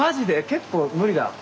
結構無理だ。